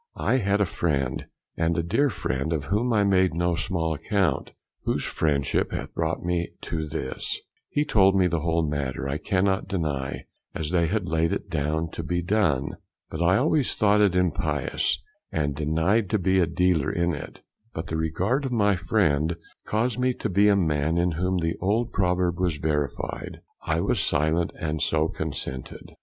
I had a friend, and a dear friend, of whom I made no small account, whose friendship hath brought me to this; he told me the whole matter, I cannot deny, as they had laid it down to be done; but I always thought it impious, and denied to be a dealer in it; but the regard of my friend caused me to be a man in whom the old proverb was verified; I was silent, and so consented.